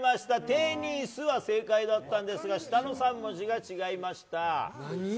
「てにす」は正解だったんですが下の３文字が違いました。